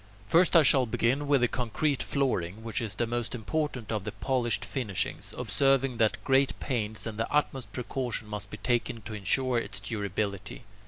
First I shall begin with the concrete flooring, which is the most important of the polished finishings, observing that great pains and the utmost precaution must be taken to ensure its durability.